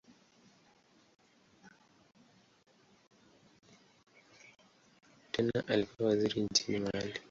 Tena alikuwa waziri nchini Mali.